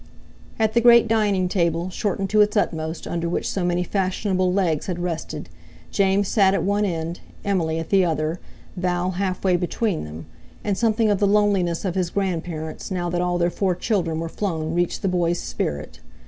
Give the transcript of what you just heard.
At the great dining table, shortened to its utmost, under which so many fashionable legs had rested, James sat at one end, Emily at the other, Val half way between them; and something of the loneliness of his grandparents, now that all their four children were flown, reached the boy's spirit.